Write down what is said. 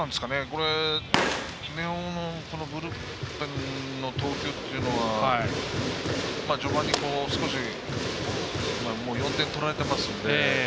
これ、根尾のブルペンの投球っていうのは序盤に少し４点取られてますので。